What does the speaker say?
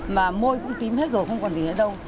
mà môi cũng tím hết rồi không còn gì ở đâu